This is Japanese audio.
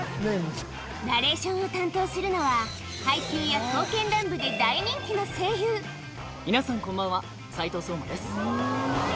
ナレーションを担当するのは『ハイキュー‼』や『刀剣乱舞』で大人気の声優皆さんこんばんは斉藤壮馬です。